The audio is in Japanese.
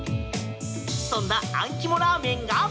そんなあん肝ラーメンが。